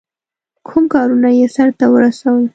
کوم کارونه یې سرته ورسول.